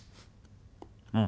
うん。